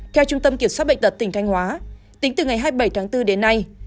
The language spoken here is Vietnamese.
theo trung tâm kiểm soát bệnh tật tỉnh thanh hóa tính từ ngày hai mươi bảy tháng bốn đến nay